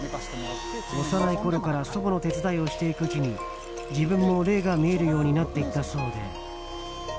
幼いころから祖母の手伝いをしていくうちに自分も霊が見えるようになっていったそうで。